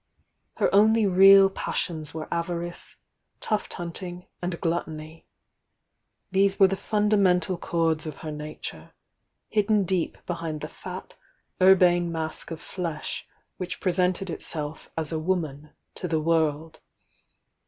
Her only real passions vre.t j/wnce, tuft huntmg and gluttony,— these were the fundamen tal chords of her nature, hidden deep behind the lat, urbane mask of flesh which presented itself as a woman to the world.